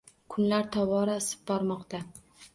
Kunlar tobora isib bormoqda.